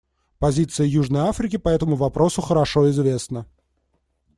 Позиция Южной Африки по этому вопросу хорошо известна.